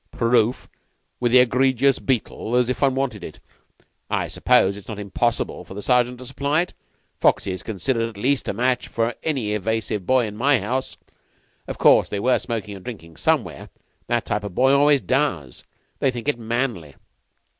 "Proof? With the egregious Beetle! As if one wanted it! I suppose it is not impossible for the Sergeant to supply it? Foxy is considered at least a match for any evasive boy in my house. Of course they were smoking and drinking somewhere. That type of boy always does. They think it manly."